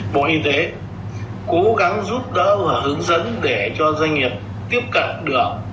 bộ y tế cố gắng giúp đỡ và hướng dẫn để cho doanh nghiệp tiếp cận được